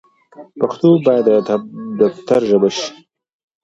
پښتو بايد د دفتر ژبه شي.